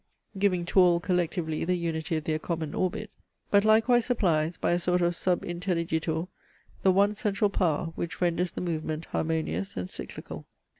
giving to all collectively the unity of their common orbit; but likewise supplies, by a sort of subintelligitur, the one central power, which renders the movement harmonious and cyclical.